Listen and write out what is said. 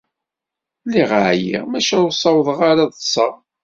Lliɣ εyiɣ, maca ur ssawḍeɣ ara ad ṭṭseɣ.